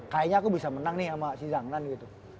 kayaknya aku bisa menang nih sama si zhangland gitu